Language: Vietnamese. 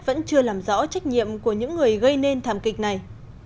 vẫn chưa làm rõ trách nhiệm của những người gây nên thảm kịch này